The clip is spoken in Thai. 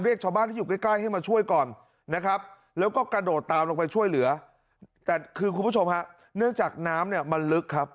เราเรียกชาวบ้านที่อยู่ใกล้